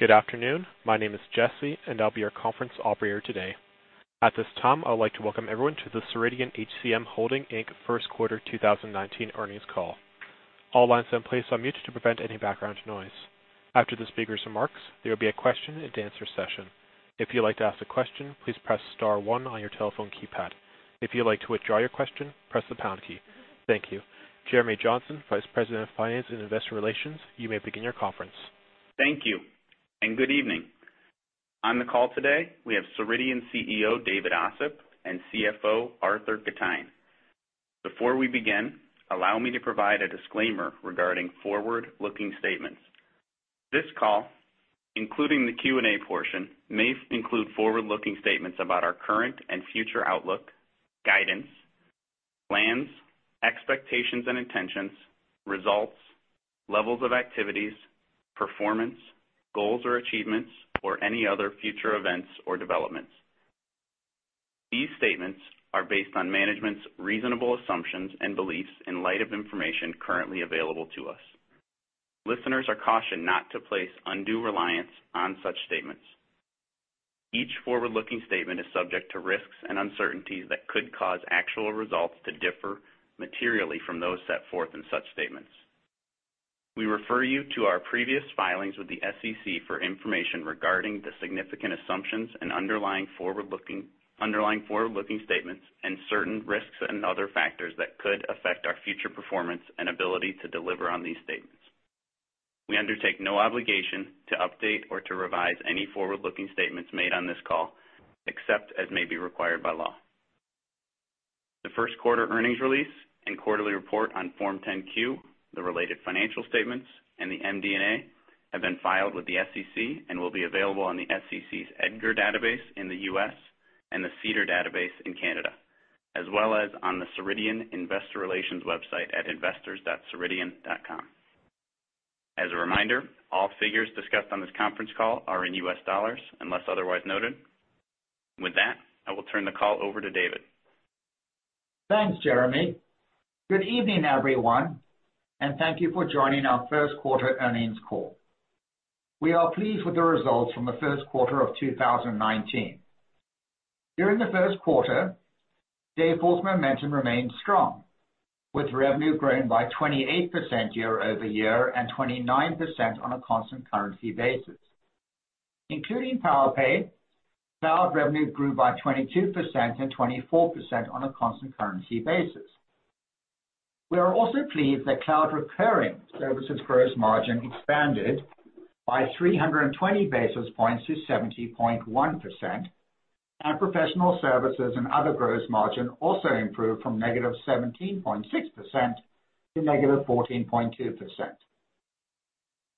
Good afternoon. My name is Jesse, and I'll be your conference operator today. At this time, I would like to welcome everyone to the Ceridian HCM Holding Inc. First Quarter 2019 earnings call. All lines and placed on mute to prevent any background noise. After the speaker's remarks, there will be a question-and-answer session. If you'd like to ask a question, please press star one on your telephone keypad. If you'd like to withdraw your question, press the pound key. Thank you. Jeremy Johnson, Vice President of Finance and Investor Relations, you may begin your conference. Thank you. Good evening. On the call today, we have Ceridian CEO, David Ossip, and CFO, Arthur Gitajn. Before we begin, allow me to provide a disclaimer regarding forward-looking statements. This call, including the Q&A portion, may include forward-looking statements about our current and future outlook, guidance, plans, expectations and intentions, results, levels of activities, performance, goals or achievements, or any other future events or developments. These statements are based on management's reasonable assumptions and beliefs in light of information currently available to us. Listeners are cautioned not to place undue reliance on such statements. We refer you to our previous filings with the SEC for information regarding the significant assumptions and underlying forward-looking statements, and certain risks and other factors that could affect our future performance and ability to deliver on these statements. We undertake no obligation to update or to revise any forward-looking statements made on this call, except as may be required by law. The first quarter earnings release and quarterly report on Form 10-Q, the related financial statements, and the MD&A, have been filed with the SEC and will be available on the SEC's EDGAR database in the U.S. and the SEDAR database in Canada, as well as on the Ceridian Investor Relations website at investors.ceridian.com. As a reminder, all figures discussed on this conference call are in U.S. dollars unless otherwise noted. With that, I will turn the call over to David. Thanks, Jeremy. Good evening, everyone. Thank you for joining our first quarter earnings call. We are pleased with the results from the first quarter of 2019. During the first quarter, Dayforce momentum remained strong, with revenue growing by 28% year-over-year and 29% on a constant currency basis. Including Powerpay, cloud revenue grew by 22% and 24% on a constant currency basis. We are also pleased that cloud recurring services gross margin expanded by 320 basis points to 70.1%, and professional services and other gross margin also improved from negative 17.6% to negative 14.2%.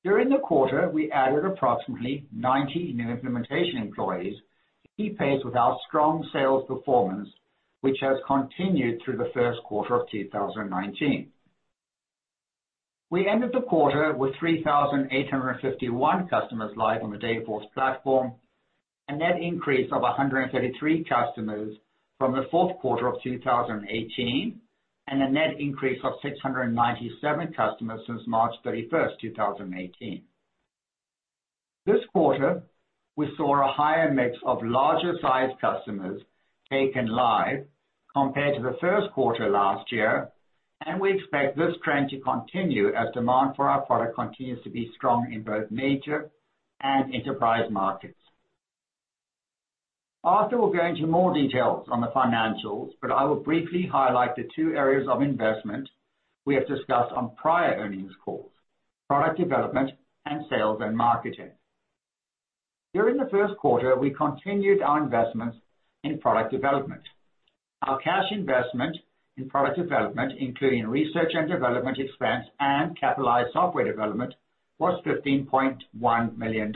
During the quarter, we added approximately 90 new implementation employees to keep pace with our strong sales performance, which has continued through the first quarter of 2019. We ended the quarter with 3,851 customers live on the Dayforce platform, a net increase of 133 customers from the fourth quarter of 2018, and a net increase of 697 customers since March 31st, 2018. This quarter, we saw a higher mix of larger-sized customers taken live compared to the first quarter last year, and we expect this trend to continue as demand for our product continues to be strong in both major and enterprise markets. Arthur will go into more details on the financials, but I will briefly highlight the two areas of investment we have discussed on prior earnings calls, product development and sales and marketing. During the first quarter, we continued our investments in product development. Our cash investment in product development, including research and development expense and capitalized software development, was $15.1 million,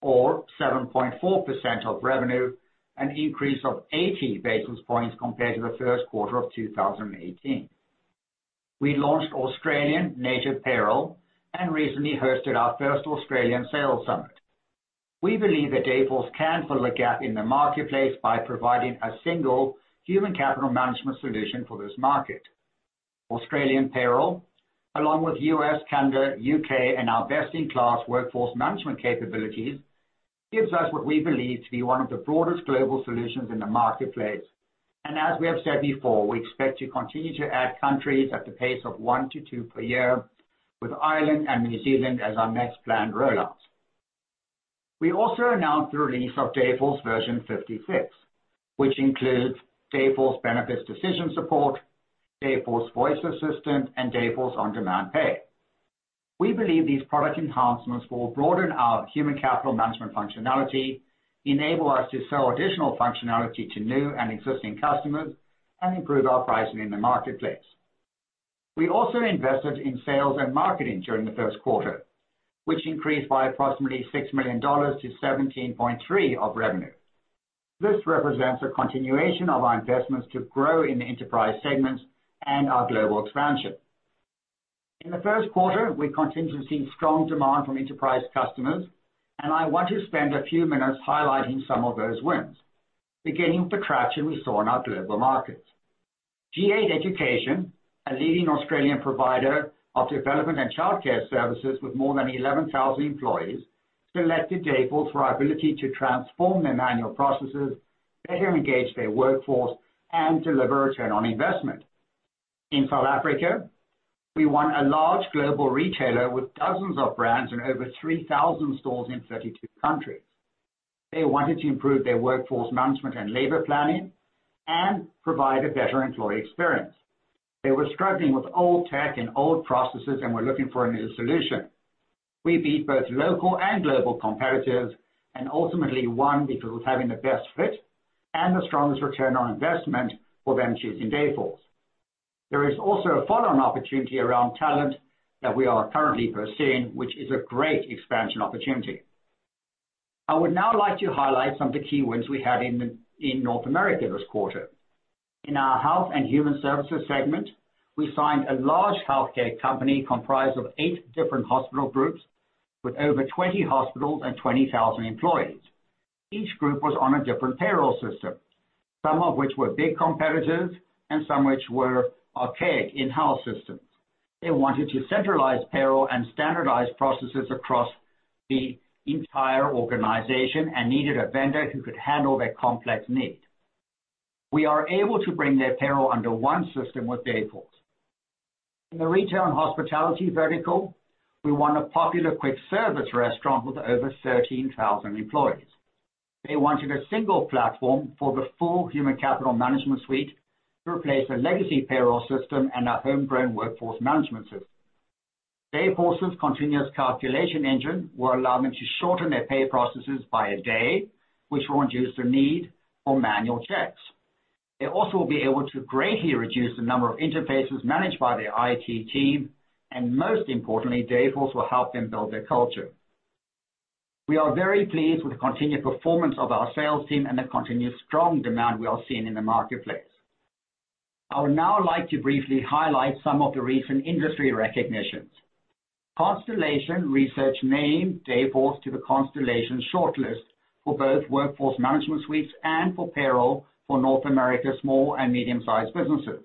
or 7.4% of revenue, an increase of 80 basis points compared to the first quarter of 2018. We launched Australian Native Payroll and recently hosted our first Australian sales summit. We believe that Dayforce can fill a gap in the marketplace by providing a single human capital management solution for this market. Australian Payroll, along with U.S., Canada, U.K., and our best-in-class workforce management capabilities, gives us what we believe to be one of the broadest global solutions in the marketplace. As we have said before, we expect to continue to add countries at the pace of one to two per year with Ireland and New Zealand as our next planned rollouts. We also announced the release of Dayforce version 56, which includes Dayforce Benefits Decision Support, Dayforce Assistant, and Dayforce On-Demand Pay. We believe these product enhancements will broaden our human capital management functionality, enable us to sell additional functionality to new and existing customers, and improve our pricing in the marketplace. We also invested in sales and marketing during the first quarter, which increased by approximately $6 million to 17.3% of revenue. This represents a continuation of our investments to grow in the enterprise segments and our global expansion. In the first quarter, we continue to see strong demand from enterprise customers, and I want to spend a few minutes highlighting some of those wins, beginning with the traction we saw in our global markets. G8 Education, a leading Australian provider of development and childcare services with more than 11,000 employees, selected Dayforce for our ability to transform their manual processes, better engage their workforce, and deliver return on investment. In South Africa, we won a large global retailer with dozens of brands and over 3,000 stores in 32 countries. They wanted to improve their workforce management and labor planning and provide a better employee experience. They were struggling with old tech and old processes and were looking for a new solution. We beat both local and global competitors, and ultimately won because of having the best fit and the strongest return on investment for them choosing Dayforce. There is also a follow-on opportunity around talent that we are currently pursuing, which is a great expansion opportunity. I would now like to highlight some of the key wins we had in North America this quarter. In our health and human services segment, we signed a large healthcare company comprised of eight different hospital groups with over 20 hospitals and 20,000 employees. Each group was on a different payroll system, some of which were big competitors and some which were archaic in-house systems. They wanted to centralize payroll and standardize processes across the entire organization and needed a vendor who could handle their complex need. We are able to bring their payroll under one system with Dayforce. In the retail and hospitality vertical, we won a popular quick-service restaurant with over 13,000 employees. They wanted a single platform for the full human capital management suite to replace a legacy payroll system and a homegrown workforce management system. Dayforce's continuous calculation engine will allow them to shorten their pay processes by a day, which will reduce the need for manual checks. They also will be able to greatly reduce the number of interfaces managed by their IT team, and most importantly, Dayforce will help them build their culture. We are very pleased with the continued performance of our sales team and the continued strong demand we are seeing in the marketplace. I would now like to briefly highlight some of the recent industry recognitions. Constellation Research named Dayforce to the Constellation ShortList for both workforce management suites and for payroll for North America small and medium-sized businesses.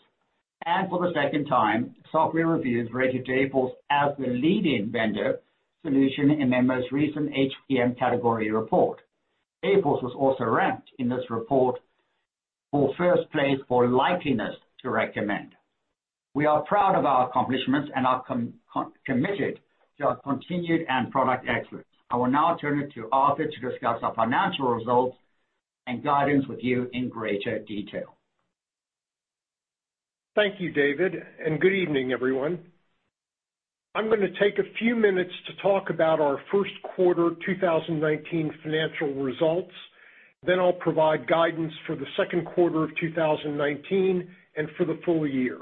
For the second time, SoftwareReviews has rated Dayforce as the leading vendor solution in their most recent HCM category report. Dayforce was also ranked in this report for first place for likeliness to recommend. We are proud of our accomplishments and are committed to our continued and product excellence. I will now turn it to Arthur to discuss our financial results and guidance with you in greater detail. Thank you, David. Good evening, everyone. I'm going to take a few minutes to talk about our first quarter 2019 financial results. Then I'll provide guidance for the second quarter of 2019 and for the full year.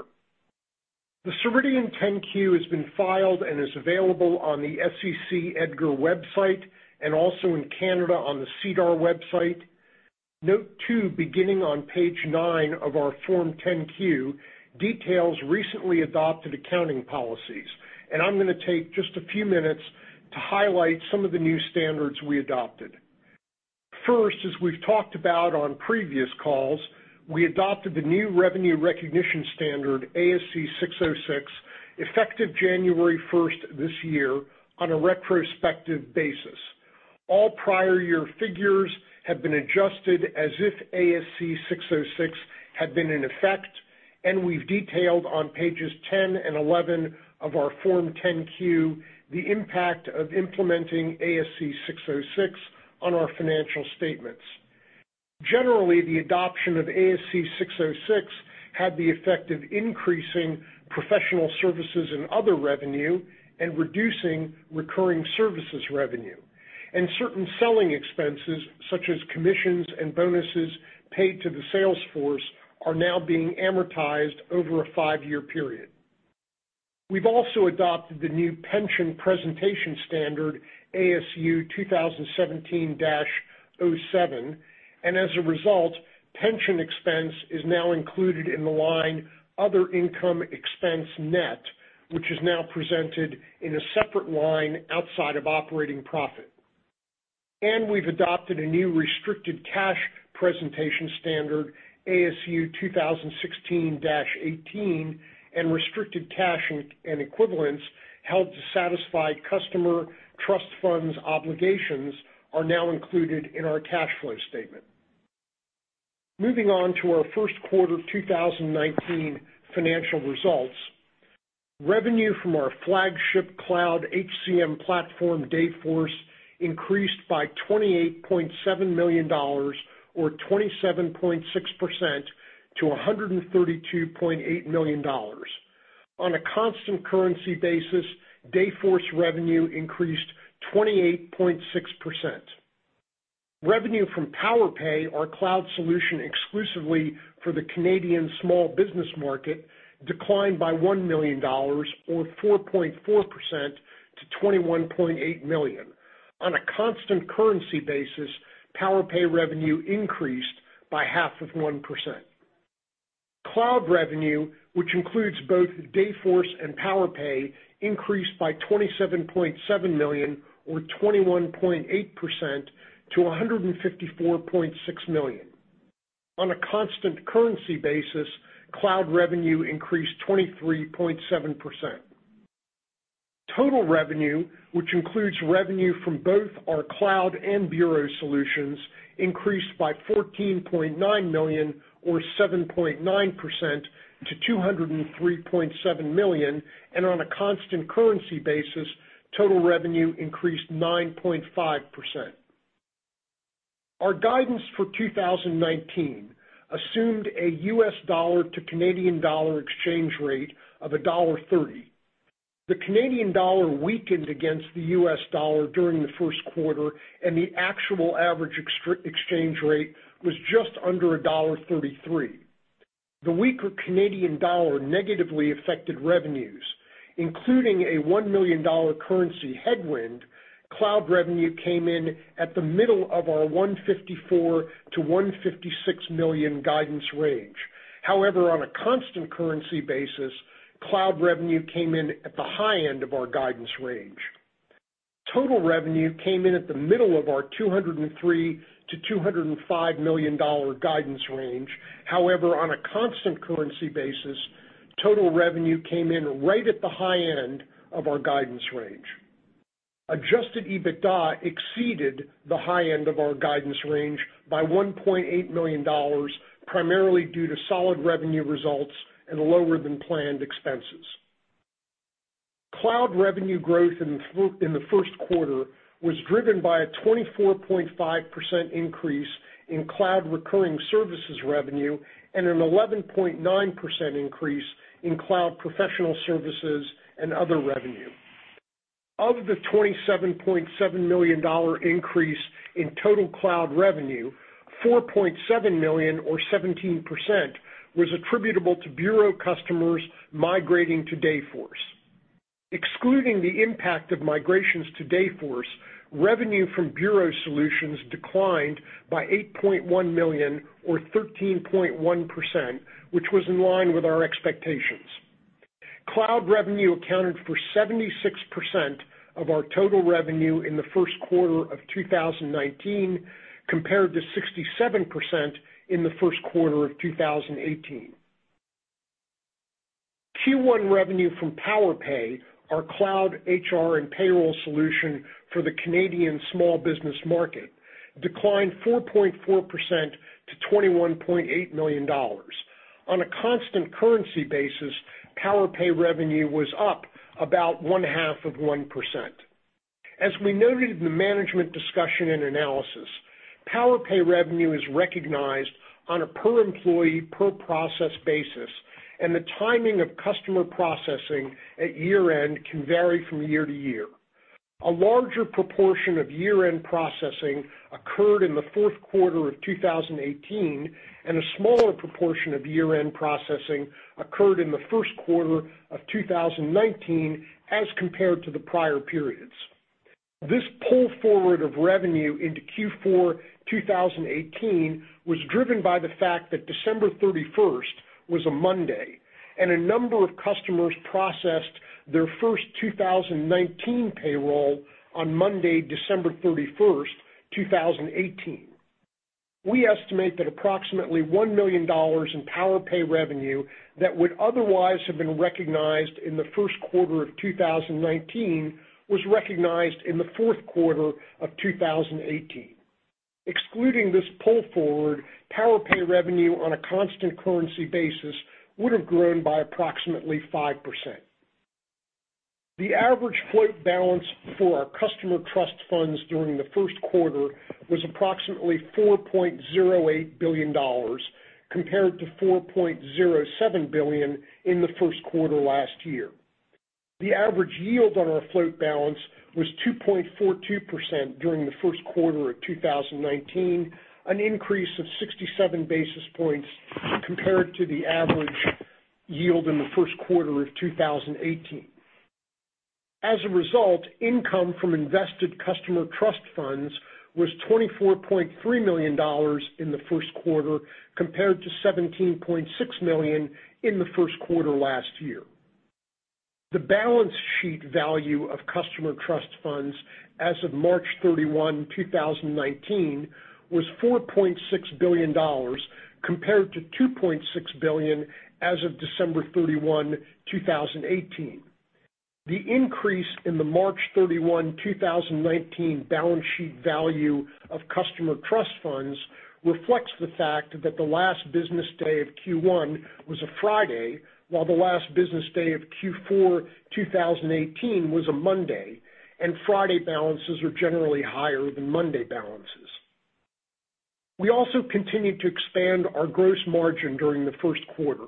The Ceridian 10-Q has been filed and is available on the SEC EDGAR website and also in Canada on the SEDAR website. Note too, beginning on page nine of our Form 10-Q, details recently adopted accounting policies. I'm going to take just a few minutes to highlight some of the new standards we adopted. First, as we've talked about on previous calls, we adopted the new revenue recognition standard, ASC 606, effective January 1st this year on a retrospective basis. All prior year figures have been adjusted as if ASC 606 had been in effect, and we've detailed on pages 10 and 11 of our Form 10-Q the impact of implementing ASC 606 on our financial statements. Generally, the adoption of ASC 606 had the effect of increasing professional services and other revenue and reducing recurring services revenue. Certain selling expenses, such as commissions and bonuses paid to the sales force, are now being amortized over a five-year period. We've also adopted the new pension presentation standard, ASU 2017-07, and as a result, pension expense is now included in the line other income expense net, which is now presented in a separate line outside of operating profit. We've adopted a new restricted cash presentation standard, ASU 2016-18, and restricted cash and equivalents held to satisfy customer trust funds obligations are now included in our cash flow statement. Moving on to our first quarter 2019 financial results. Revenue from our flagship cloud HCM platform, Dayforce, increased by $28.7 million, or 27.6%, to $132.8 million. On a constant currency basis, Dayforce revenue increased 28.6%. Revenue from PowerPay, our cloud solution exclusively for the Canadian small business market, declined by $1 million, or 4.4%, to $21.8 million. On a constant currency basis, PowerPay revenue increased by half of 1%. Cloud revenue, which includes both Dayforce and PowerPay, increased by $27.7 million or 21.8% to $154.6 million. On a constant currency basis, cloud revenue increased 23.7%. Total revenue, which includes revenue from both our cloud and bureau solutions, increased by $14.9 million or 7.9% to $203.7 million, and on a constant currency basis, total revenue increased 9.5%. Our guidance for 2019 assumed a US dollar to Canadian dollar exchange rate of $1.30. The Canadian dollar weakened against the US dollar during the first quarter, and the actual average exchange rate was just under $1.33. The weaker Canadian dollar negatively affected revenues, including a $1 million currency headwind, cloud revenue came in at the middle of our $154 million-$156 million guidance range. On a constant currency basis, cloud revenue came in at the high end of our guidance range. total revenue came in at the middle of our $203 million-$205 million guidance range. On a constant currency basis, total revenue came in right at the high end of our guidance range. Adjusted EBITDA exceeded the high end of our guidance range by $1.8 million, primarily due to solid revenue results and lower-than-planned expenses. Cloud revenue growth in the first quarter was driven by a 24.5% increase in cloud recurring services revenue and an 11.9% increase in cloud professional services and other revenue. Of the $27.7 million increase in total cloud revenue, $4.7 million or 17% was attributable to bureau customers migrating to Dayforce. Excluding the impact of migrations to Dayforce, revenue from bureau solutions declined by $8.1 million or 13.1%, which was in line with our expectations. Cloud revenue accounted for 76% of our total revenue in the first quarter of 2019, compared to 67% in the first quarter of 2018. Q1 revenue from PowerPay, our cloud HR and payroll solution for the Canadian small business market, declined 4.4% to $21.8 million. On a constant currency basis, PowerPay revenue was up about one-half of 1%. As we noted in the management discussion and analysis, Powerpay revenue is recognized on a per-employee, per-process basis, and the timing of customer processing at year-end can vary from year to year. A larger proportion of year-end processing occurred in the fourth quarter of 2018, and a smaller proportion of year-end processing occurred in the first quarter of 2019 as compared to the prior periods. This pull forward of revenue into Q4 2018 was driven by the fact that December 31st was a Monday, and a number of customers processed their first 2019 payroll on Monday, December 31st, 2018. We estimate that approximately $1 million in Powerpay revenue that would otherwise have been recognized in the first quarter of 2019 was recognized in the fourth quarter of 2018. Excluding this pull forward, Powerpay revenue on a constant currency basis would have grown by approximately 5%. The average float balance for our customer trust funds during the first quarter was approximately $4.08 billion, compared to $4.07 billion in the first quarter last year. The average yield on our float balance was 2.42% during the first quarter of 2019, an increase of 67 basis points compared to the average yield in the first quarter of 2018. As a result, income from invested customer trust funds was $24.3 million in the first quarter, compared to $17.6 million in the first quarter last year. The balance sheet value of customer trust funds as of March 31, 2019, was $4.6 billion, compared to $2.6 billion as of December 31, 2018. The increase in the March 31, 2019, balance sheet value of customer trust funds reflects the fact that the last business day of Q1 was a Friday, while the last business day of Q4 2018 was a Monday, and Friday balances are generally higher than Monday balances. We also continued to expand our gross margin during the first quarter.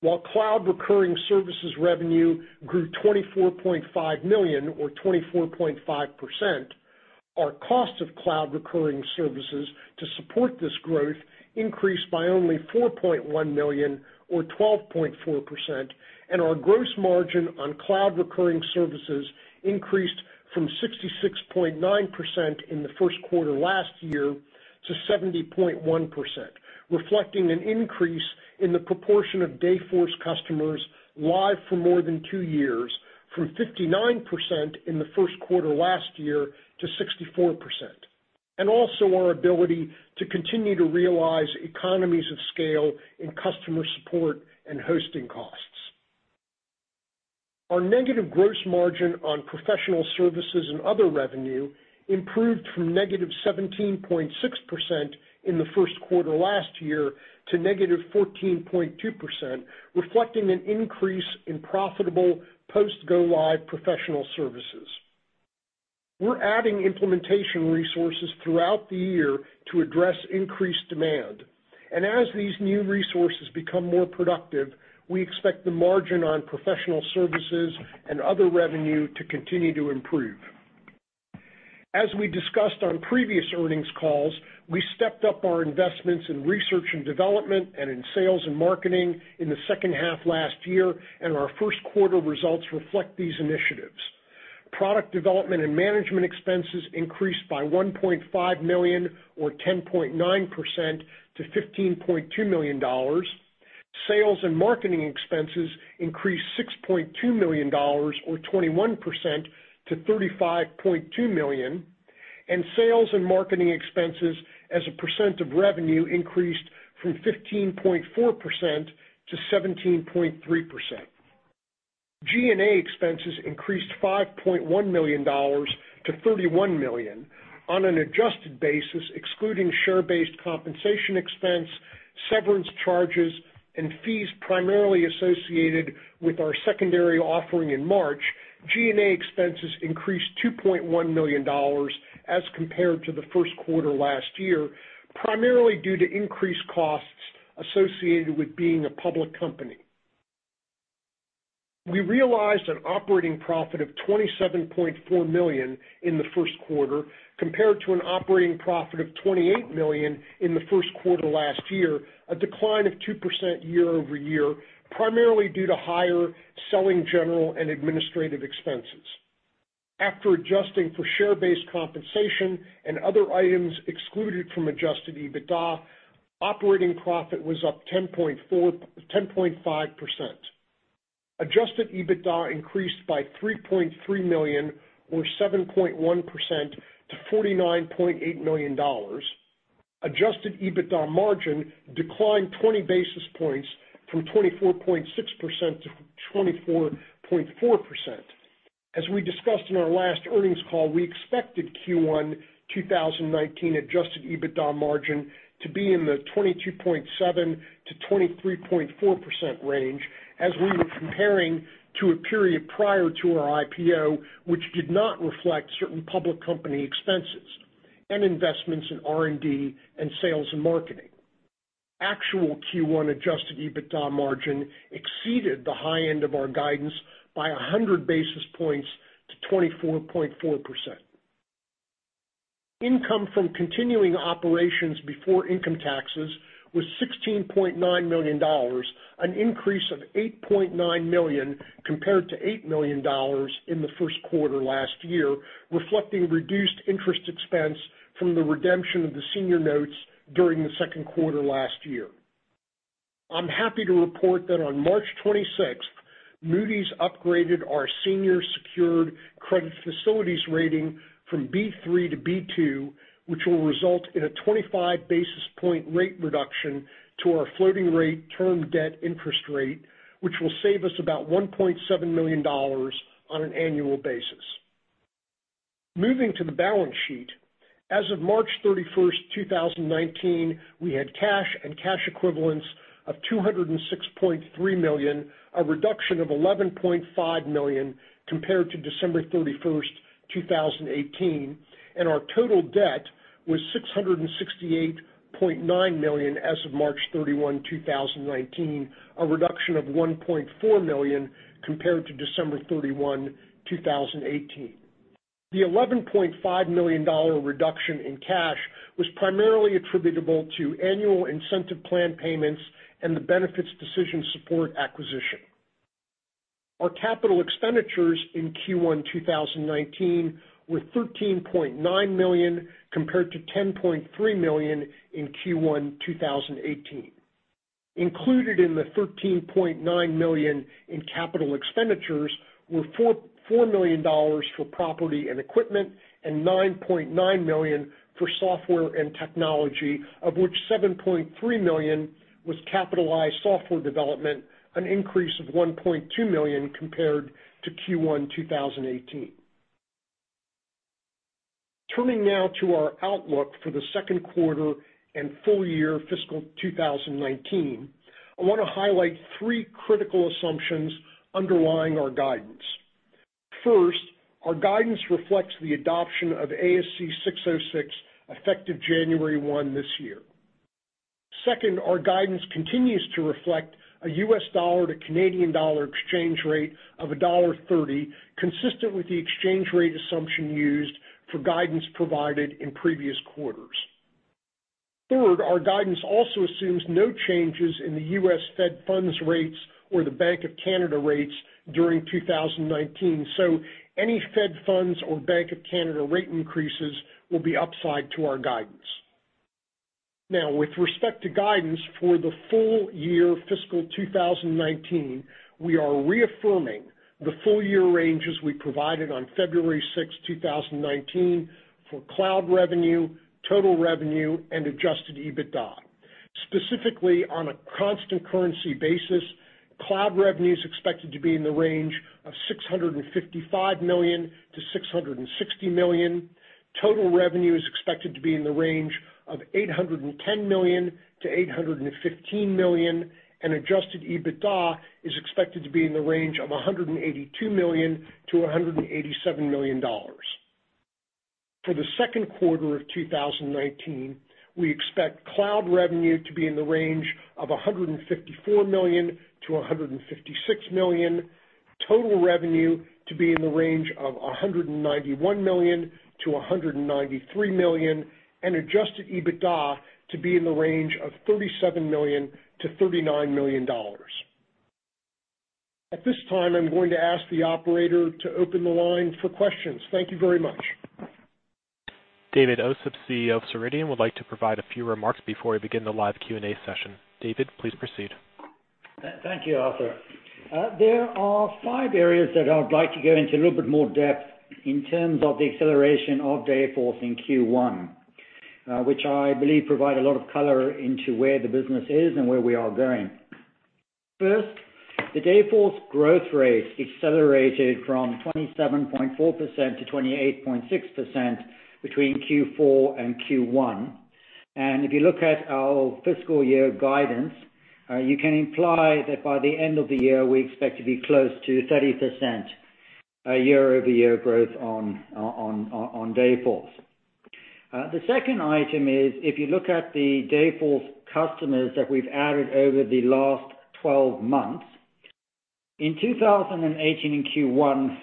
While cloud recurring services revenue grew $24.5 million or 24.5%, our cost of cloud recurring services to support this growth increased by only $4.1 million or 12.4%, and our gross margin on cloud recurring services increased from 66.9% in the first quarter last year to 70.1%, reflecting an increase in the proportion of Dayforce customers live for more than two years from 59% in the first quarter last year to 64%. Also our ability to continue to realize economies of scale in customer support and hosting costs. Our negative gross margin on professional services and other revenue improved from negative 17.6% in the first quarter last year to negative 14.2%, reflecting an increase in profitable post go live professional services. We're adding implementation resources throughout the year to address increased demand. As these new resources become more productive, we expect the margin on professional services and other revenue to continue to improve. As we discussed on previous earnings calls, we stepped up our investments in research and development and in sales and marketing in the second half last year, and our first quarter results reflect these initiatives. Product development and management expenses increased by $1.5 million or 10.9% to $15.2 million. Sales and marketing expenses increased $6.2 million or 21% to $35.2 million. Sales and marketing expenses as a % of revenue increased from 15.4% to 17.3%. G&A expenses increased $5.1 million to $31 million on an adjusted basis, excluding share-based compensation expense, severance charges, and fees primarily associated with our secondary offering in March. G&A expenses increased $2.1 million as compared to the first quarter last year, primarily due to increased costs associated with being a public company. We realized an operating profit of $27.4 million in the first quarter, compared to an operating profit of $28 million in the first quarter last year, a decline of 2% year-over-year, primarily due to higher selling, general and administrative expenses. After adjusting for share-based compensation and other items excluded from adjusted EBITDA, operating profit was up 10.5%. Adjusted EBITDA increased by $3.3 million or 7.1% to $49.8 million. Adjusted EBITDA margin declined 20 basis points from 24.6%-24.4%. As we discussed in our last earnings call, we expected Q1 2019 adjusted EBITDA margin to be in the 22.7%-23.4% range as we were comparing to a period prior to our IPO, which did not reflect certain public company expenses and investments in R&D and sales and marketing. Actual Q1 adjusted EBITDA margin exceeded the high end of our guidance by 100 basis points to 24.4%. Income from continuing operations before income taxes was $16.9 million, an increase of $8.9 million compared to $8 million in the first quarter last year, reflecting reduced interest expense from the redemption of the senior notes during the second quarter last year. I'm happy to report that on March 26th, Moody's upgraded our senior secured credit facilities rating from B3 to B2, which will result in a 25 basis point rate reduction to our floating rate term debt interest rate, which will save us about $1.7 million on an annual basis. Moving to the balance sheet. As of March 31st, 2019, we had cash and cash equivalents of $206.3 million, a reduction of $11.5 million compared to December 31st, 2018, and our total debt was $668.9 million as of March 31, 2019, a reduction of $1.4 million compared to December 31, 2018. The $11.5 million reduction in cash was primarily attributable to annual incentive plan payments and the Dayforce Benefits Decision Support acquisition. Our capital expenditures in Q1 2019 were $13.9 million, compared to $10.3 million in Q1 2018. Included in the $13.9 million in capital expenditures were $4 million for property and equipment and $9.9 million for software and technology, of which $7.3 million was capitalized software development, an increase of $1.2 million compared to Q1 2018. Turning now to our outlook for the second quarter and full year fiscal 2019. I want to highlight three critical assumptions underlying our guidance. First, our guidance reflects the adoption of ASC 606, effective January 1 this year. Second, our guidance continues to reflect a U.S. dollar to Canadian dollar exchange rate of dollar 1.30, consistent with the exchange rate assumption used for guidance provided in previous quarters. Our guidance also assumes no changes in the U.S. Fed funds rates or the Bank of Canada rates during 2019. Any Fed funds or Bank of Canada rate increases will be upside to our guidance. With respect to guidance for the full-year fiscal 2019, we are reaffirming the full-year ranges we provided on February 6, 2019, for cloud revenue, total revenue, and adjusted EBITDA. Specifically, on a constant currency basis, cloud revenue is expected to be in the range of $655 million-$660 million. Total revenue is expected to be in the range of $810 million-$815 million, and adjusted EBITDA is expected to be in the range of $182 million-$187 million. For the second quarter of 2019, we expect cloud revenue to be in the range of $154 million-$156 million, total revenue to be in the range of $191 million-$193 million, and adjusted EBITDA to be in the range of $37 million-$39 million. At this time, I'm going to ask the operator to open the line for questions. Thank you very much. David Ossip, CEO of Ceridian, would like to provide a few remarks before we begin the live Q&A session. David, please proceed. Thank you, Arthur. There are five areas that I would like to go into a little bit more depth in terms of the acceleration of Dayforce in Q1, which I believe provide a lot of color into where the business is and where we are going. The Dayforce growth rate accelerated from 27.4%-28.6% between Q4 and Q1. If you look at our fiscal year guidance, you can imply that by the end of the year, we expect to be close to 30% year-over-year growth on Dayforce. The second item is, if you look at the Dayforce customers that we've added over the last 12 months, in 2018, in Q1,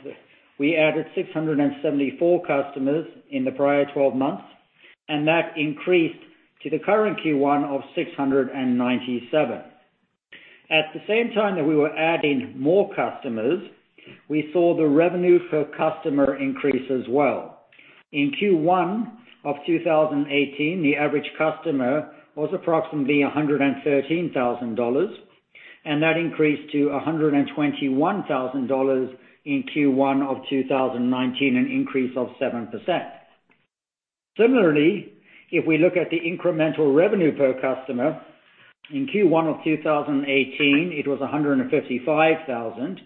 we added 674 customers in the prior 12 months, and that increased to the current Q1 of 697. At the same time that we were adding more customers, we saw the revenue per customer increase as well. In Q1 of 2018, the average customer was approximately $113,000, and that increased to $121,000 in Q1 of 2019, an increase of 7%. Similarly, if we look at the incremental revenue per customer, in Q1 of 2018, it was $155,000,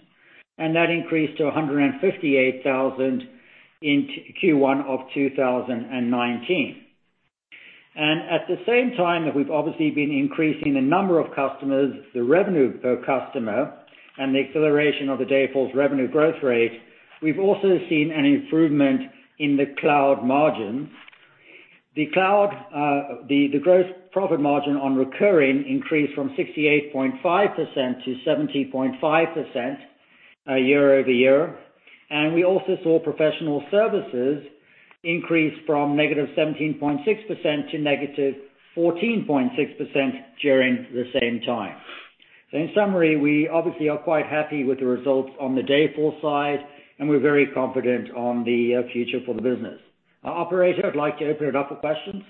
and that increased to $158,000 in Q1 of 2019. At the same time that we've obviously been increasing the number of customers, the revenue per customer, and the acceleration of the Dayforce revenue growth rate, we've also seen an improvement in the cloud margin. The gross profit margin on recurring increased from 68.5% to 70.5% year-over-year. We also saw professional services increase from negative 17.6% to negative 14.6% during the same time. In summary, we obviously are quite happy with the results on the Dayforce side, and we're very confident on the future for the business. Operator, I'd like to open it up for questions.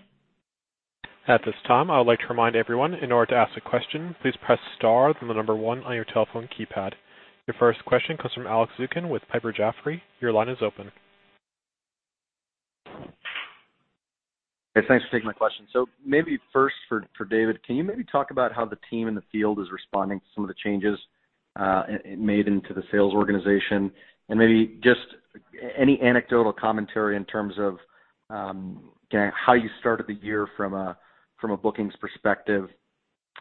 At this time, I would like to remind everyone in order to ask a question, please press star then the number 1 on your telephone keypad. Your first question comes from Alex Zukin with Piper Jaffray. Your line is open. Thanks for taking my question. Maybe first for David, can you maybe talk about how the team in the field is responding to some of the changes made into the sales organization? Maybe just any anecdotal commentary in terms of how you started the year from a bookings perspective.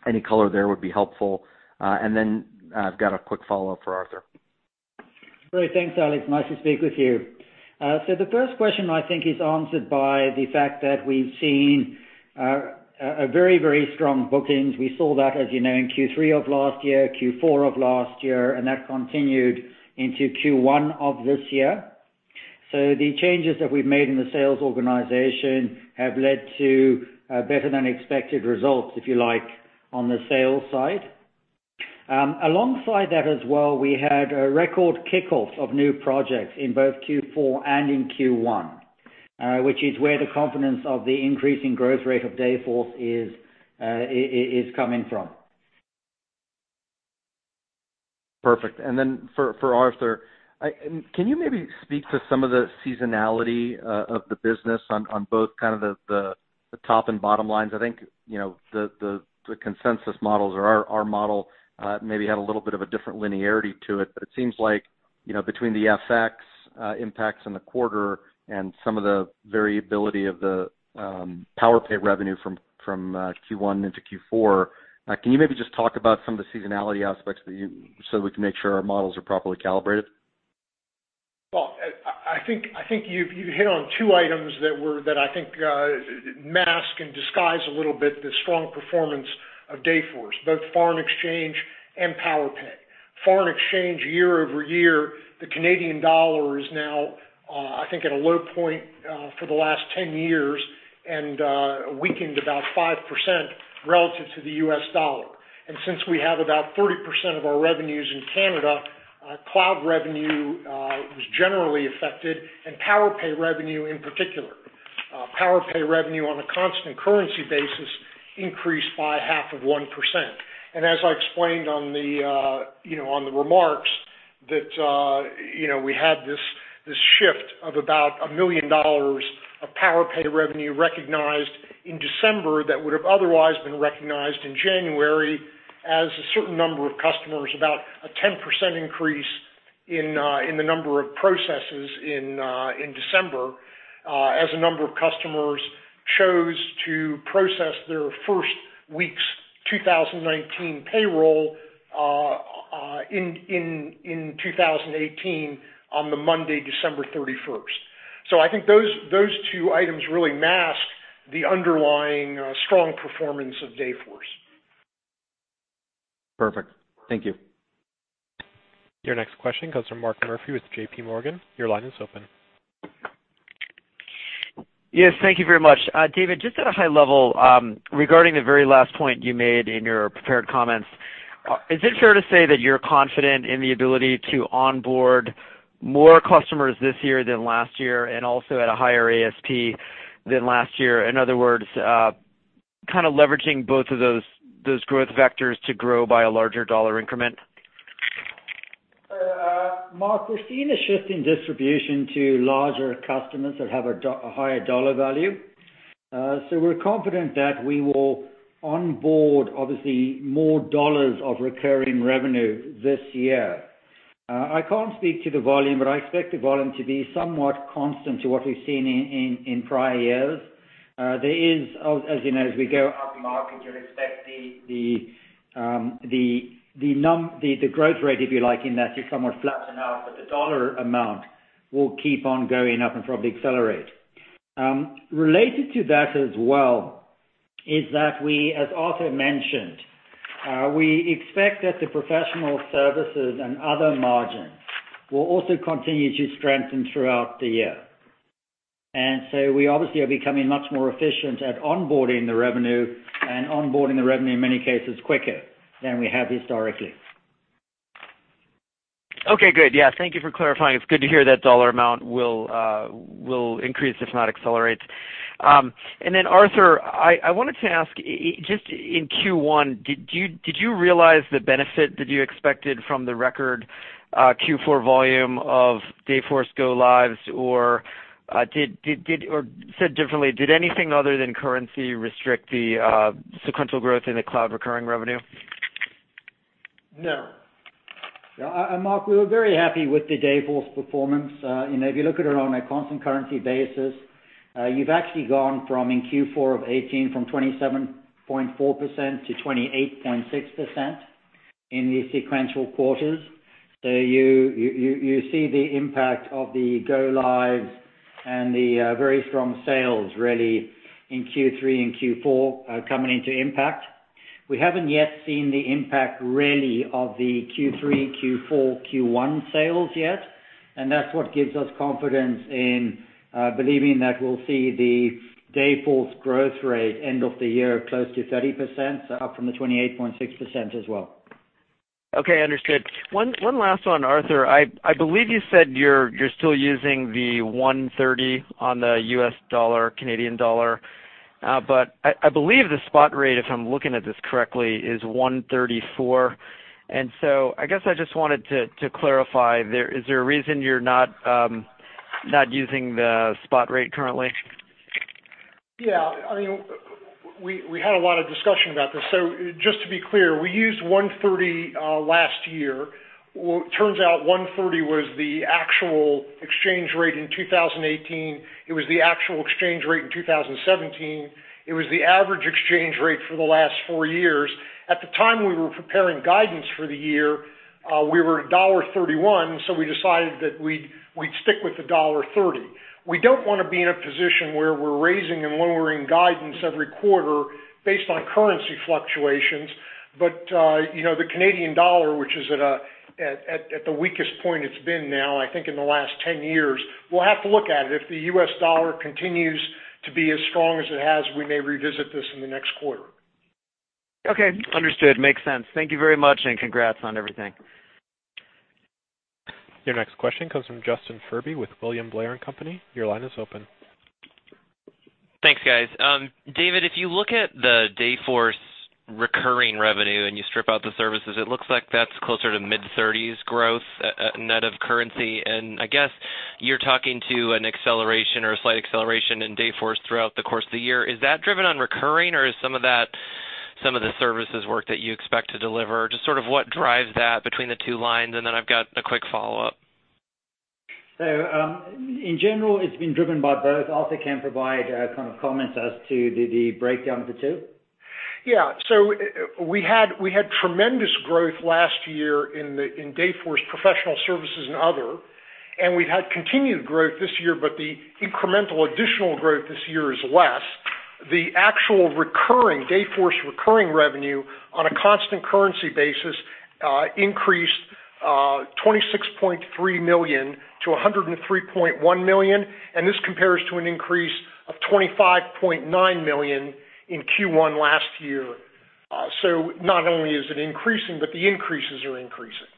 Any color there would be helpful. Then I've got a quick follow-up for Arthur. Great. Thanks, Alex. Nice to speak with you. The first question, I think, is answered by the fact that we've seen a very strong bookings. We saw that, as you know, in Q3 of last year, Q4 of last year, that continued into Q1 of this year. The changes that we've made in the sales organization have led to better-than-expected results, if you like, on the sales side. Alongside that as well, we had a record kickoff of new projects in both Q4 and in Q1, which is where the confidence of the increasing growth rate of Dayforce is coming from. Perfect. For Arthur, can you maybe speak to some of the seasonality of the business on both the top and bottom lines? I think the consensus models or our model maybe had a little bit of a different linearity to it. It seems like, between the FX impacts in the quarter and some of the variability of the Powerpay revenue from Q1 into Q4, can you maybe just talk about some of the seasonality aspects so we can make sure our models are properly calibrated? Well, I think you've hit on two items that I think mask and disguise a little bit the strong performance of Dayforce, both foreign exchange and Powerpay. Foreign exchange year-over-year, the Canadian dollar is now, I think, at a low point for the last 10 years and weakened about 5% relative to the US dollar. Since we have about 40% of our revenues in Canada-Cloud revenue was generally affected, and Powerpay revenue in particular. Powerpay revenue on a constant currency basis increased by half of 1%. As I explained on the remarks that we had this shift of about $1 million of Powerpay revenue recognized in December, that would've otherwise been recognized in January as a certain number of customers, about a 10% increase in the number of processes in December, as a number of customers chose to process their first week's 2019 payroll in 2018 on the Monday, December 31st. I think those two items really mask the underlying strong performance of Dayforce. Perfect. Thank you. Your next question comes from Mark Murphy with JPMorgan. Your line is open. Yes, thank you very much. David, just at a high level, regarding the very last point you made in your prepared comments, is it fair to say that you're confident in the ability to onboard more customers this year than last year, and also at a higher ASP than last year? In other words, kind of leveraging both of those growth vectors to grow by a larger dollar increment? Mark, we're seeing a shift in distribution to larger customers that have a higher dollar value. We're confident that we will onboard, obviously, more dollars of recurring revenue this year. I can't speak to the volume, but I expect the volume to be somewhat constant to what we've seen in prior years. There is, as you know, as we go up market, you'd expect the growth rate, if you like, in that to somewhat flatten out, but the dollar amount will keep on going up and probably accelerate. Related to that as well, is that we, as Arthur mentioned, we expect that the professional services and other margins will also continue to strengthen throughout the year. We obviously are becoming much more efficient at onboarding the revenue and onboarding the revenue in many cases quicker than we have historically. Okay, good. Yeah, thank you for clarifying. It's good to hear that dollar amount will increase if not accelerate. Arthur, I wanted to ask just in Q1, did you realize the benefit that you expected from the record Q4 volume of Dayforce go lives? Or said differently, did anything other than currency restrict the sequential growth in the cloud recurring revenue? No. Mark, we were very happy with the Dayforce performance. If you look at it on a constant currency basis, you've actually gone from in Q4 of 2018 from 27.4% to 28.6% in the sequential quarters. You see the impact of the go lives and the very strong sales really in Q3 and Q4 coming into impact. We haven't yet seen the impact really of the Q3, Q4, Q1 sales yet. That's what gives us confidence in believing that we'll see the Dayforce growth rate end of the year close to 30%, so up from the 28.6% as well. Okay, understood. One last one, Arthur. I believe you said you're still using the 1.30 on the U.S. dollar, Canadian dollar. I believe the spot rate, if I'm looking at this correctly, is 1.34. I guess I just wanted to clarify, is there a reason you're not using the spot rate currently? Yeah. We had a lot of discussion about this. Just to be clear, we used 1.30 last year. Well, it turns out 1.30 was the actual exchange rate in 2018. It was the actual exchange rate in 2017. It was the average exchange rate for the last four years. At the time we were preparing guidance for the year, we were at $1.31, we decided that we'd stick with the $1.30. We don't want to be in a position where we're raising and lowering guidance every quarter based on currency fluctuations. The Canadian dollar, which is at the weakest point it's been now, I think in the last 10 years, we'll have to look at it. If the U.S. dollar continues to be as strong as it has, we may revisit this in the next quarter. Okay, understood. Makes sense. Thank you very much, and congrats on everything. Your next question comes from Justin Furby with William Blair & Company. Your line is open. Thanks, guys. David, if you look at the Dayforce recurring revenue and you strip out the services, it looks like that's closer to mid-30s growth, net of currency. I guess you're talking to an acceleration or a slight acceleration in Dayforce throughout the course of the year. Is that driven on recurring or is some of the services work that you expect to deliver? Just sort of what drives that between the two lines? Then I've got a quick follow-up. In general, it's been driven by both. Arthur can provide kind of comments as to the breakdown of the two. Yeah. We had tremendous growth last year in Dayforce professional services and other, we've had continued growth this year, the incremental additional growth this year is less. The actual recurring Dayforce recurring revenue on a constant currency basis, increased $26.3 million to $103.1 million, and this compares to an increase-$25.9 million in Q1 last year. Not only is it increasing, but the increases are increasing.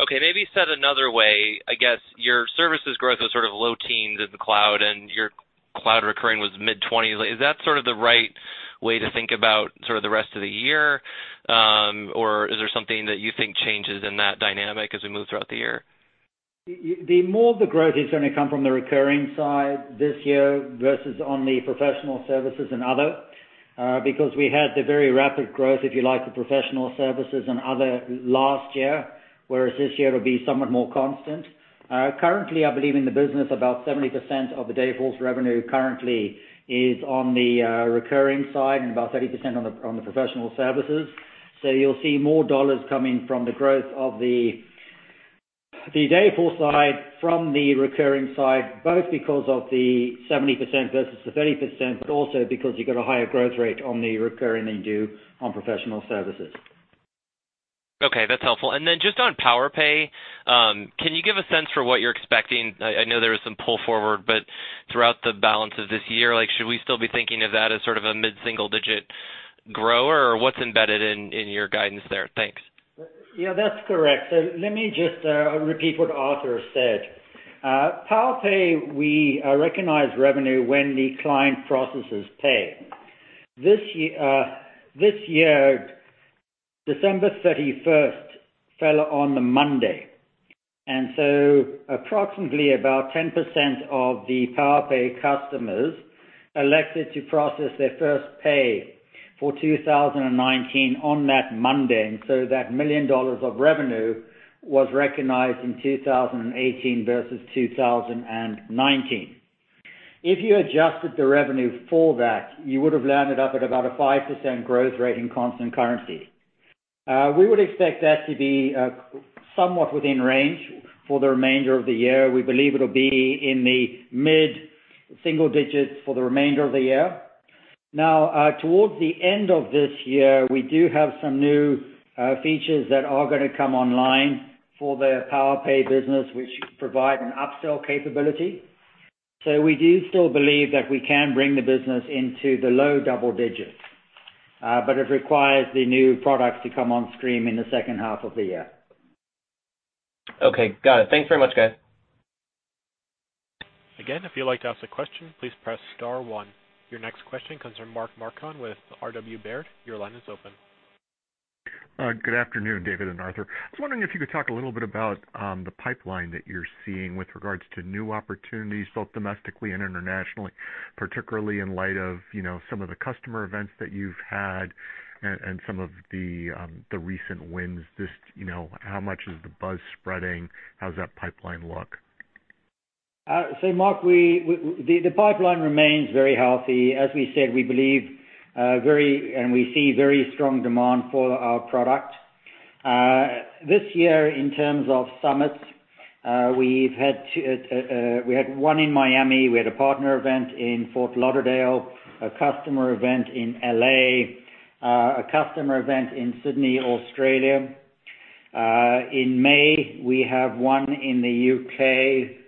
Okay, maybe said another way, I guess your services growth was low teens in the cloud, and your cloud recurring was mid-20s. Is that the right way to think about the rest of the year? Or is there something that you think changes in that dynamic as we move throughout the year? The more the growth is going to come from the recurring side this year versus on the professional services and other, because we had the very rapid growth, if you like, the professional services and other last year. Whereas this year, it'll be somewhat more constant. Currently, I believe in the business, about 70% of the Dayforce revenue currently is on the recurring side and about 30% on the professional services. You'll see more dollars coming from the growth of the Dayforce side from the recurring side, both because of the 70% versus the 30%, but also because you've got a higher growth rate on the recurring than you do on professional services. Okay. That's helpful. Then just on PowerPay, can you give a sense for what you're expecting? I know there was some pull forward, but throughout the balance of this year, should we still be thinking of that as a mid-single digit growth? Or what's embedded in your guidance there? Thanks. Yeah, that's correct. Let me just repeat what Arthur said. PowerPay, we recognize revenue when the client processes pay. This year, December 31st fell on the Monday, and approximately about 10% of the PowerPay customers elected to process their first pay for 2019 on that Monday, and that $1 million of revenue was recognized in 2018 versus 2019. If you adjusted the revenue for that, you would have landed up at about a 5% growth rate in constant currency. We would expect that to be somewhat within range for the remainder of the year. We believe it'll be in the mid-single digits for the remainder of the year. Towards the end of this year, we do have some new features that are going to come online for the PowerPay business, which should provide an upsell capability. We do still believe that we can bring the business into the low double digits. It requires the new products to come on stream in the second half of the year. Okay, got it. Thanks very much, guys. Again, if you'd like to ask a question, please press *1. Your next question comes from Mark Marcon with RW Baird. Your line is open. Good afternoon, David and Arthur. I was wondering if you could talk a little bit about the pipeline that you're seeing with regards to new opportunities, both domestically and internationally, particularly in light of some of the customer events that you've had and some of the recent wins. How much is the buzz spreading? How does that pipeline look? Mark, the pipeline remains very healthy. As we said, we believe and we see very strong demand for our product. This year, in terms of summits, we had one in Miami. We had a partner event in Fort Lauderdale, a customer event in L.A., a customer event in Sydney, Australia. In May, we have one in the U.K.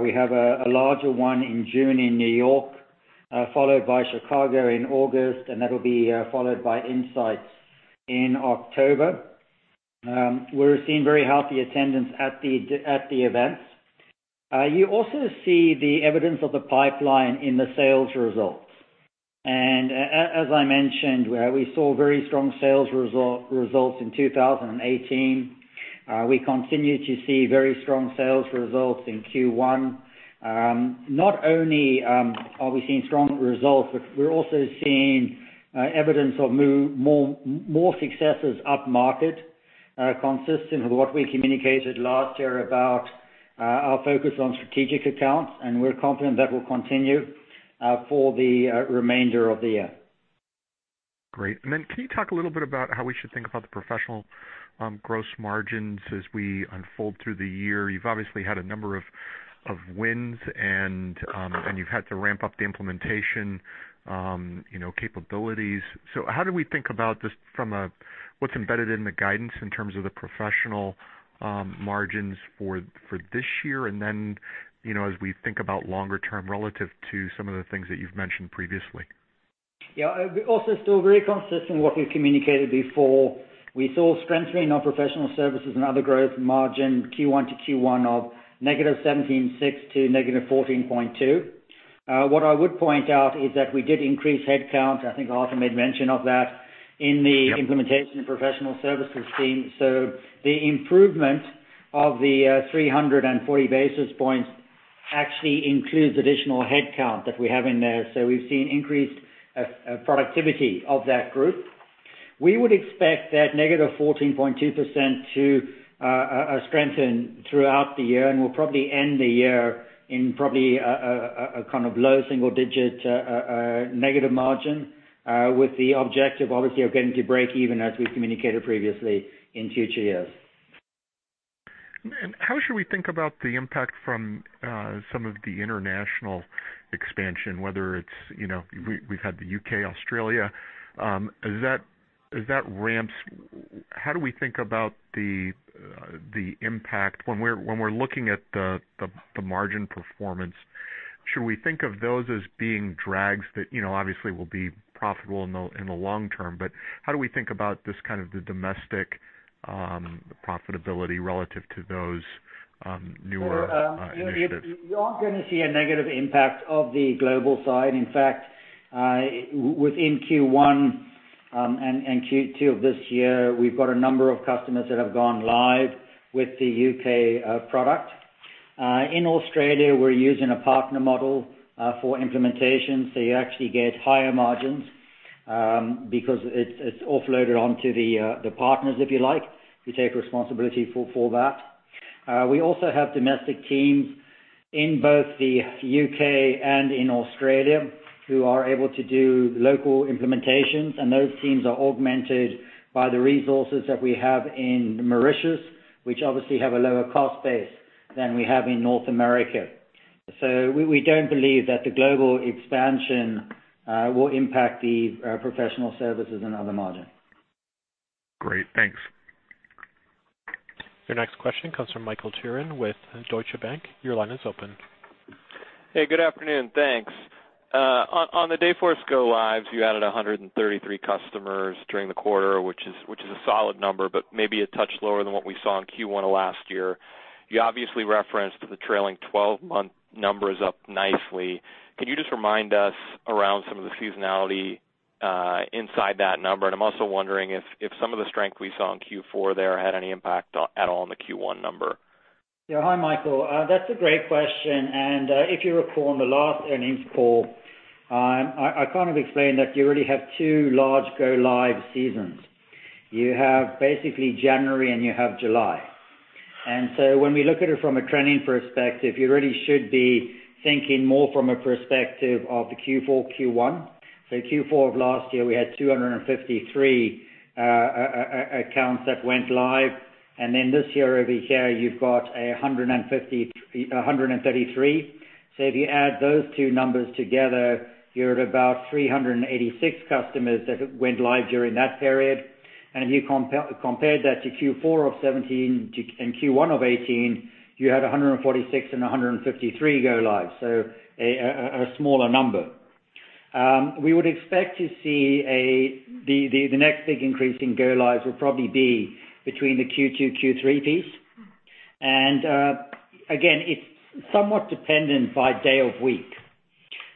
We have a larger one in June in New York, followed by Chicago in August, and that'll be followed by INSIGHTS in October. We're seeing very healthy attendance at the events. You also see the evidence of the pipeline in the sales results. As I mentioned, we saw very strong sales results in 2018. We continue to see very strong sales results in Q1. Not only are we seeing strong results, but we're also seeing evidence of more successes upmarket, consistent with what we communicated last year about our focus on strategic accounts, and we're confident that will continue for the remainder of the year. Great. Can you talk a little bit about how we should think about the professional gross margins as we unfold through the year? You've obviously had a number of wins and you've had to ramp up the implementation capabilities. How do we think about just from a what's embedded in the guidance in terms of the professional margins for this year, and then, as we think about longer term relative to some of the things that you've mentioned previously? Yeah. We're also still very consistent what we've communicated before. We saw strengthening of professional services and other growth margin Q1 to Q1 of negative 176 to negative 14.2. What I would point out is that we did increase headcount, I think Arthur made mention of that. Yep implementation professional services team. The improvement of the 340 basis points actually includes additional headcount that we have in there. We've seen increased productivity of that group. We would expect that negative 14.2% to strengthen throughout the year, and we'll probably end the year in probably a low single-digit negative margin with the objective, obviously, of getting to breakeven as we communicated previously in future years. How should we think about the impact from some of the international expansion, whether it's, we've had the U.K., Australia. As that ramps, how do we think about the impact when we're looking at the margin performance? Should we think of those as being drags that obviously will be profitable in the long term? How do we think about this kind of the domestic profitability relative to those newer initiatives? Well, you aren't going to see a negative impact of the global side. In fact, within Q1 and Q2 of this year, we've got a number of customers that have gone live with the U.K. product. In Australia, we're using a partner model for implementation, you actually get higher margins because it's offloaded onto the partners, if you like. We take responsibility for that. We also have domestic teams in both the U.K. and in Australia who are able to do local implementations, and those teams are augmented by the resources that we have in Mauritius, which obviously have a lower cost base than we have in North America. We don't believe that the global expansion will impact the professional services and other margin. Great. Thanks. Your next question comes from Michael Turrin with Deutsche Bank. Your line is open. Hey, good afternoon. Thanks. On the Dayforce go lives, you added 133 customers during the quarter, which is a solid number, but maybe a touch lower than what we saw in Q1 of last year. You obviously referenced the trailing 12-month numbers up nicely. Can you just remind us around some of the seasonality inside that number? I am also wondering if some of the strength we saw in Q4 there had any impact at all on the Q1 number. Yeah. Hi, Michael. That is a great question. If you recall on the last earnings call, I kind of explained that you really have two large go live seasons. You have basically January and you have July. When we look at it from a trending perspective, you really should be thinking more from a perspective of the Q4, Q1. Q4 of last year, we had 253 accounts that went live, and then this year over here, you have 133. If you add those two numbers together, you are at about 386 customers that went live during that period. If you compared that to Q4 of 2017 and Q1 of 2018, you had 146 and 153 go lives. A smaller number. We would expect to see the next big increase in go lives will probably be between the Q2, Q3 piece. It's somewhat dependent by day of week.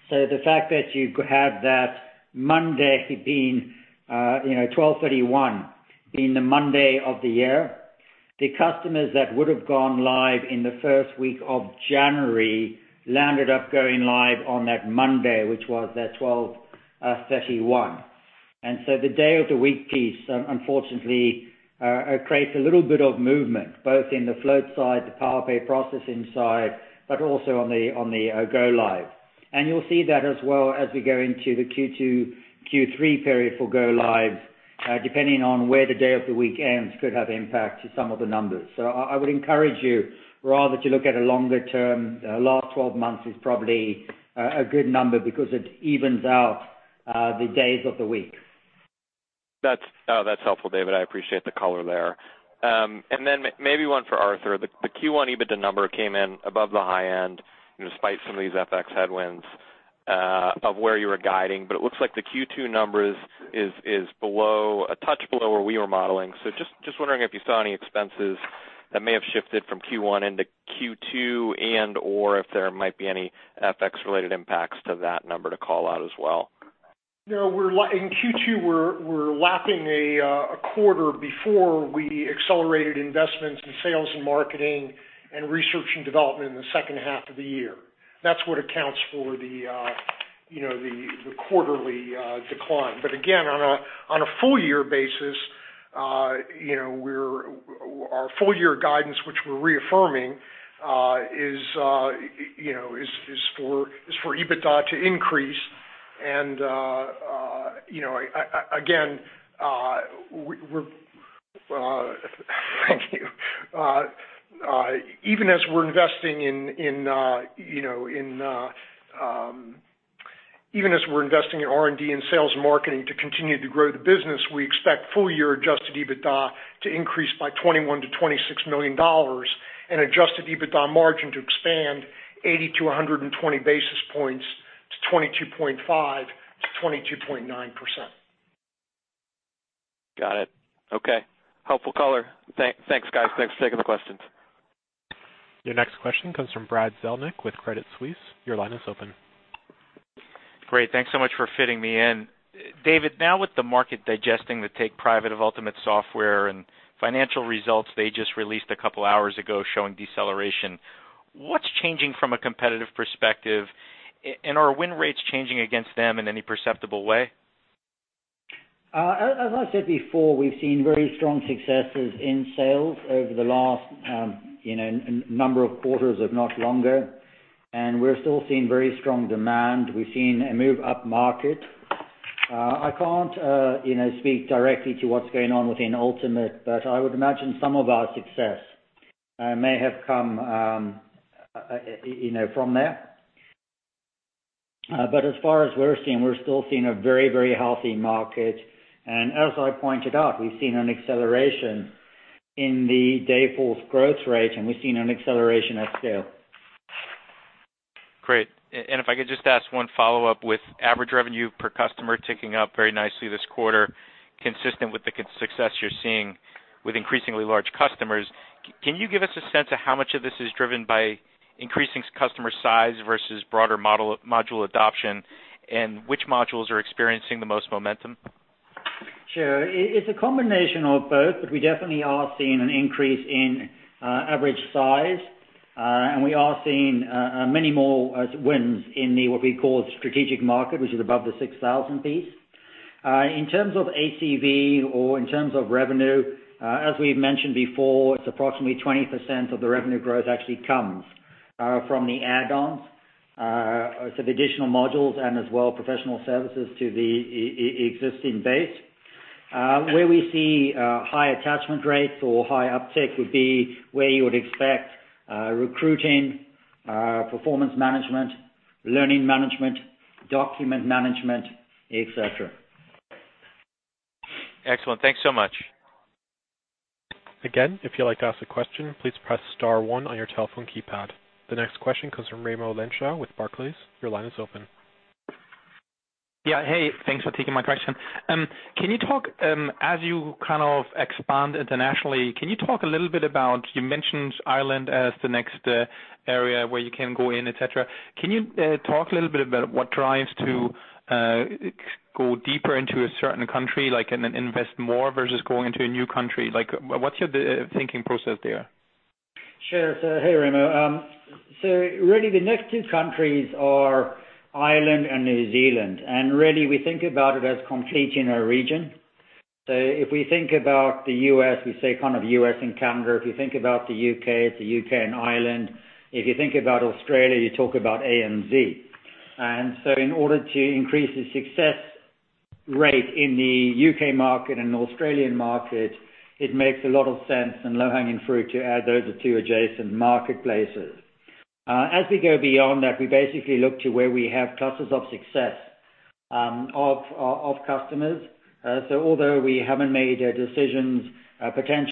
The fact that you have that Monday being 12/31 being the Monday of the year, the customers that would've gone live in the first week of January landed up going live on that Monday, which was that 12/31. The day of the week piece, unfortunately, creates a little bit of movement, both in the float side, the Powerpay processing side, but also on the go live. You'll see that as well as we go into the Q2, Q3 period for go lives, depending on where the day of the week ends could have impact to some of the numbers. I would encourage you rather to look at a longer term. Last 12 months is probably a good number because it evens out the days of the week. That's helpful, David. I appreciate the color there. Then maybe one for Arthur. The Q1 EBITDA number came in above the high end despite some of these FX headwinds of where you were guiding. It looks like the Q2 number is a touch below where we were modeling. Just wondering if you saw any expenses that may have shifted from Q1 into Q2 and/or if there might be any FX related impacts to that number to call out as well? No, in Q2, we're lapping a quarter before we accelerated investments in sales and marketing and research and development in the second half of the year. That's what accounts for the quarterly decline. Again, on a full year basis, our full year guidance, which we're reaffirming, is for EBITDA to increase. Again, thank you. Even as we're investing in R&D and sales marketing to continue to grow the business, we expect full year adjusted EBITDA to increase by $21 million-$26 million and adjusted EBITDA margin to expand 80-120 basis points to 22.5%-22.9%. Got it. Okay. Helpful color. Thanks, guys. Thanks for taking the questions. Your next question comes from Brad Reback with Credit Suisse. Your line is open. Great. Thanks so much for fitting me in. David, now with the market digesting the take private of Ultimate Software and financial results they just released a couple of hours ago showing deceleration, what's changing from a competitive perspective, and are win rates changing against them in any perceptible way? As I said before, we've seen very strong successes in sales over the last number of quarters, if not longer. We're still seeing very strong demand. We've seen a move up market. I can't speak directly to what's going on within Ultimate, but I would imagine some of our success may have come from there. As far as we're seeing, we're still seeing a very, very healthy market. As I pointed out, we've seen an acceleration in the Dayforce growth rate, and we've seen an acceleration at scale. Great. If I could just ask one follow-up. With average revenue per customer ticking up very nicely this quarter, consistent with the success you're seeing with increasingly large customers, can you give us a sense of how much of this is driven by increasing customer size versus broader module adoption? Which modules are experiencing the most momentum? Sure. It's a combination of both, but we definitely are seeing an increase in average size. We are seeing many more wins in the, what we call strategic market, which is above the 6,000 piece. In terms of ACV or in terms of revenue, as we've mentioned before, it's approximately 20% of the revenue growth actually comes from the add-ons, so the additional modules and as well, professional services to the existing base. Where we see high attachment rates or high uptake would be where you would expect recruiting, performance management, learning management, document management, et cetera. Excellent. Thanks so much. Again, if you'd like to ask a question, please press star one on your telephone keypad. The next question comes from Raimo Lenschow with Barclays. Your line is open. Yeah. Hey, thanks for taking my question. As you kind of expand internationally, can you talk a little bit about You mentioned Ireland as the next area where you can go in, et cetera. Can you talk a little bit about what drives to go deeper into a certain country, like in an invest more versus going into a new country? What's your thinking process there? Sure. Hey, Raimo. Really the next two countries are Ireland and New Zealand, and really we think about it as completing a region. If we think about the U.S., we say kind of U.S. and Canada. If you think about the U.K., it's the U.K. and Ireland. If you think about Australia, you talk about ANZ. In order to increase the success rate in the U.K. market and Australian market, it makes a lot of sense and low-hanging fruit to add those two adjacent marketplaces. As we go beyond that, we basically look to where we have clusters of success of customers. Although we haven't made decisions potential.